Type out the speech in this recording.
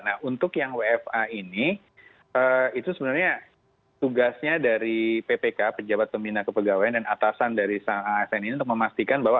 nah untuk yang wfa ini itu sebenarnya tugasnya dari ppk pejabat pembina kepegawaian dan atasan dari sang asn ini untuk memastikan bahwa